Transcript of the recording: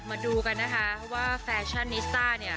มาดูกันนะคะว่าแฟชั่นนิสต้าเนี่ย